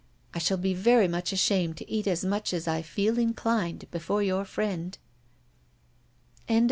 I shall be very much ashamed to eat as much as I feel inclined before your friend."